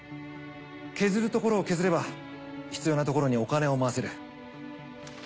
削るところを削れば必要なところにお金を回せる。